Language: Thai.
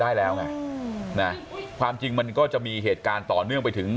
ได้แล้วไงนะความจริงมันก็จะมีเหตุการณ์ต่อเนื่องไปถึง